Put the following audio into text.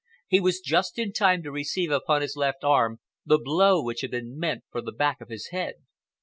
He was just in time to receive upon his left arm the blow which had been meant for the back of his head.